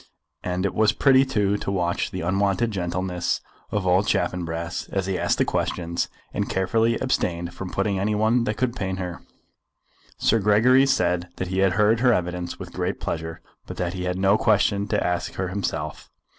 And it was pretty too to watch the unwonted gentleness of old Chaffanbrass as he asked the questions, and carefully abstained from putting any one that could pain her. Sir Gregory said that he had heard her evidence with great pleasure, but that he had no question to ask her himself.